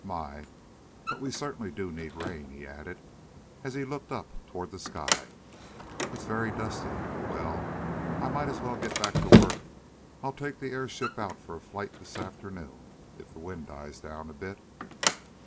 MY! but we certainly do need rain," he added, as he looked up toward the sky. "It's very dusty. Well, I may as well get back to work. I'll take the airship out for a flight this afternoon, if the wind dies down a bit."